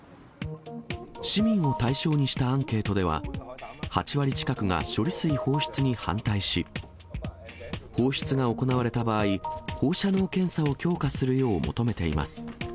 市民を対象にしたアンケートでは、８割近くが処理水放出に反対し、放出が行われた場合、放射能検査を強化するよう求めています。